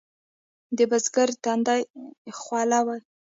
د بزګر تندی خوله وي.